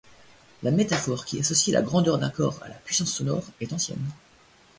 La métaphore qui associe la grandeur d'un corps à la puissance sonore est ancienne.